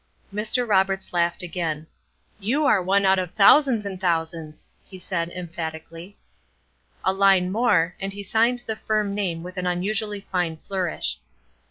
Mr. Roberts laughed again. "You are one out of thousands and thousands!" he said, emphatically. A line more, and he signed the firm name with an unusually fine flourish.